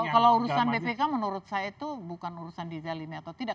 kalau urusan bpk menurut saya itu bukan urusan dizalimi atau tidak